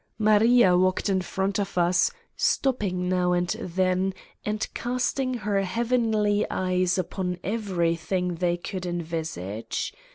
Maria walked in front of us, stopping now and then and casting her heavenly eyes upon everything they could envisage.